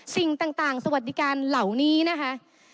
สิ่งต่างสวัสดิการเหล่านี้นะคะ